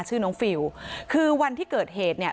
ชื่อน้องฟิลคือวันที่เกิดเหตุเนี่ย